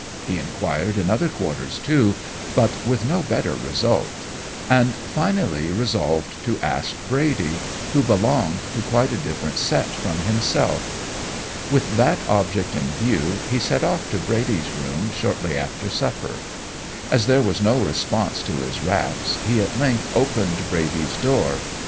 He enquired in other quarters, too, but with no better result, and finally resolved to ask Brady, who belonged to quite a different set from himself. With that object in view he set off to Brady's room shortly after supper. As there was no response to his raps, he at length opened Brady's door.